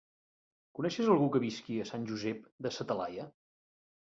Coneixes algú que visqui a Sant Josep de sa Talaia?